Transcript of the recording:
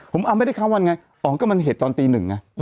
ผมเอาไม่ได้ข้ามวันไงอ๋อก็มันเหตุตอนตีหนึ่งไง